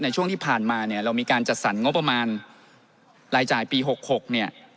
ในช่วงที่ผ่านมาเรามีการจัดสรรงบประมาณรายจ่ายปี๖๖